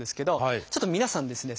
ちょっと皆さんですね